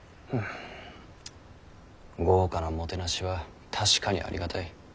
豪華なもてなしは確かにありがたい。